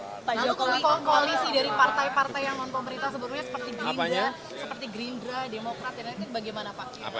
pak joko widodo koalisi dari partai partai yang memperberitakan seperti gerindra demokrat dan lain lain bagaimana pak